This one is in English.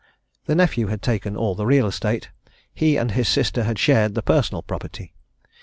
The nephew had taken all the real estate: he and his sister had shared the personal property.